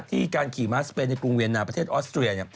การขี่ม้าสเปนในกรุงเวียนนาประเทศออสเตรีย